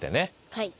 はい。